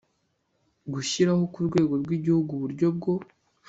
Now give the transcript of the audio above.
gushyiraho ku rwego rw igihugu uburyo bwo